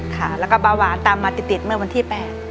ค่ะแล้วก็เบาหวานตามมาติดเมื่อวันที่๘